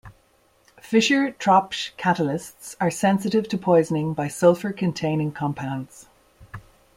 Fischer-Tropsch catalysts are sensitive to poisoning by sulfur-containing compounds.